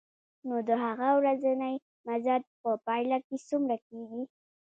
نو د هغه ورځنی مزد په پایله کې څومره کېږي